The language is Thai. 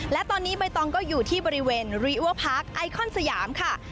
และตอนนี้ใบตองก็อยู่ที่บริเวณริเวอร์พาร์คไอคอนสยามค่ะ